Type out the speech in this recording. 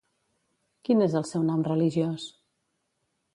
Quin és el seu nom religiós?